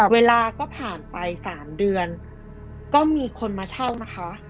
เวลาก็ผ่านไป๓เดือนก็มีคนมาเช่านะคะ